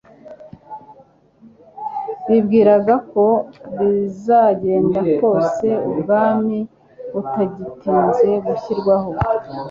Bibwiraga ko uko bizagenda kose ubwami butagitinze gushyirwaho.